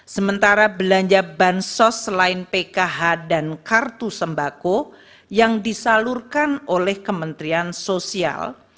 sementara belanja bansos selain pkh dan kartu sembako yang disalurkan oleh kementerian sosial